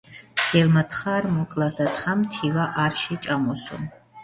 მგელმა თხა არ მოკლას და თხამ თივა არ შეჭამოსო.